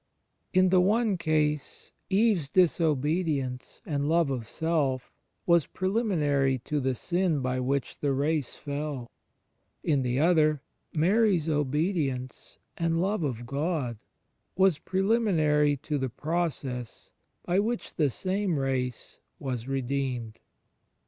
In the one case Eve's disobedience and love of self was preliminary to the sin by which the race fell; in the other, Mary's obedience and love of God was prelim inary to the process by which the same race was re deemed.